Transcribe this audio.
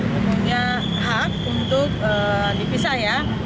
mempunyai hak untuk dipisah ya